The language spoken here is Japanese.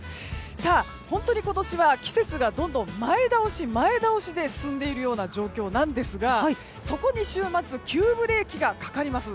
本当に今年は季節がどんどん前倒しで進んでいるような状況なんですがそこに週末急ブレーキがかかります。